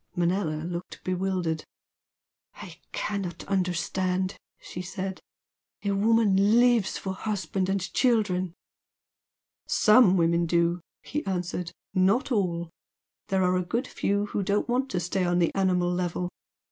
Manella looked bewildered. "I cannot understand!" she said "A woman lives for husband and children!" "SOME women do!" he answered "Not all! There are a good few who don't want to stay on the animal level.